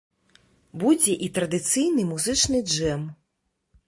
Будзе і традыцыйны музычны джэм.